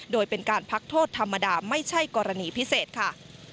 โดยเป็นการพักโทษธรรมดาไม่ใช่กรณีพิเศษค่ะ